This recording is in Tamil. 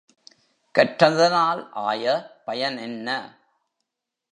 கற்றதனால் ஆய பயன் என்ன?